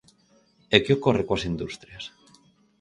E que ocorre coas industrias?